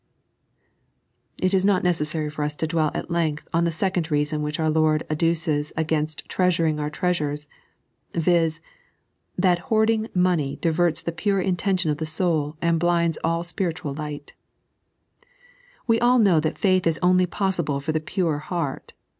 It is not neceesary for us to dwell at length on the second reason which our Lord adduces a^nst treasuring our treasures, viz., that hoarding money diverts t/ts pitre intenHon of the lotd and hi^tdi ait epirituai light. We all know that faith is only possible for the pure heart.